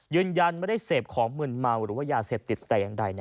ยืนยันไม่ได้เสพของเหมือนเมา